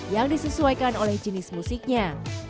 yang disesuaikan oleh jenis musiknya